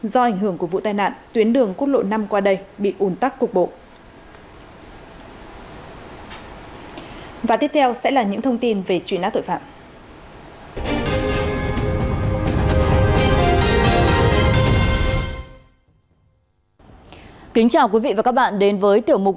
do ảnh hưởng của vụ tai nạn tuyến đường quốc lộ năm qua đây bị ủn tắc cục bộ